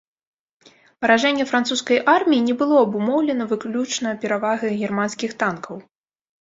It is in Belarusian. Паражэнне французскай арміі не было абумоўлена выключна перавагай германскіх танкаў.